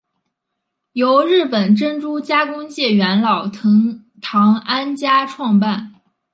由日本珍珠加工界元老藤堂安家创办。